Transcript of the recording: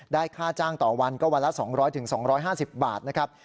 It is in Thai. ค่าจ้างต่อวันก็วันละ๒๐๐๒๕๐บาทนะครับ